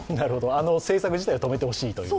政策自体を止めてほしいという。